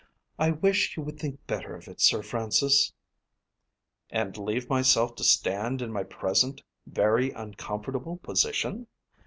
I wish you would think better of it, Sir Francis." "And leave myself to stand in my present very uncomfortable position!